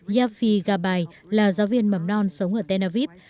yafi gabbay là giáo viên mầm non sống ở tel aviv